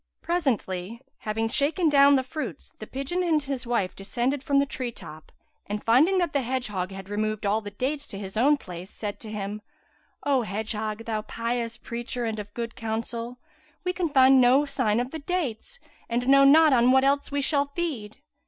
presently, having shaken down the fruits, the pigeon and his wife descended from the tree top and finding that the hedgehog had removed all the dates to his own place, said to him, "O hedgehog! thou pious preacher and of good counsel, we can find no sign of the dates and know not on what else we shall feed."